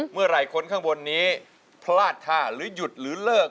เมื่อไหร่คนข้างบนนี้พลาดท่าหรือหยุดหรือเลิก